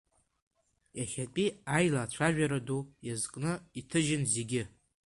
Иахьатәи аилацәажәара ду иазкны иҭыжьын зегьы.